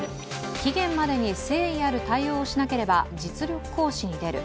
期限までに誠意ある対応をしなければ、実力行使に出る。